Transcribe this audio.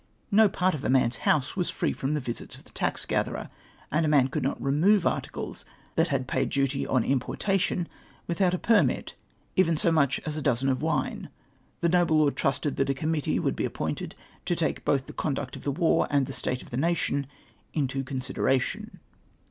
No part of a man's house was free from the visits of the tax gatherer, and a man could not remove articles that had paid duty on importation, without a permit, even so much as a dozen of wine. The noble lord trusted that a committee would be appointed to take both the con duct of the war, and the state of the nation into con sideration.